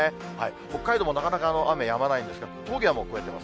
北海道もなかなか雨やまないんですが、峠はもう越えてます。